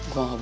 kan deh gouk